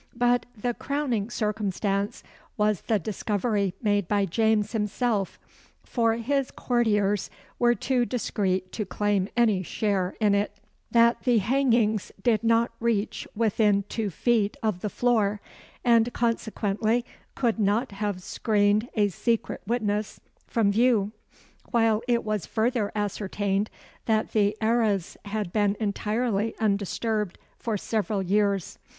But the crowning circumstance was the discovery made by James himself for his courtiers were too discreet to claim any share in it that the hangings did not reach within two feet of the floor, and consequently could not have screened a secret witness from view; while it was further ascertained that the arras had been entirely undisturbed for several years.